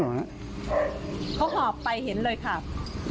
เขาหอบไปเห็นเลยค่ะ